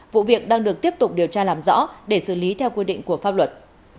vụ việc đang được tiếp tục điều tra làm rõ để xử lý theo quy định của pháp luật